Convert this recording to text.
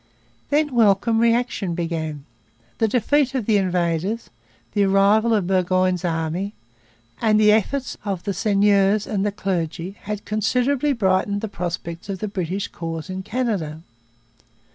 Then welcome reaction began. The defeat of the invaders, the arrival of Burgoyne's army, and the efforts of the seigneurs and the clergy had considerably brightened the prospects of the British cause in Canada.